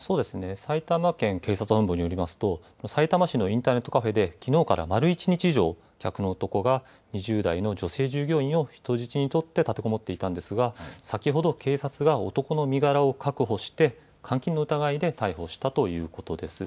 埼玉県警察本部によりますとさいたま市のインターネットカフェできのうから丸１日以上客の男が２０代の女性従業員を人質に取って立てこもっていたんですが先ほど警察が男の身柄を確保して監禁の疑いで逮捕されたということです。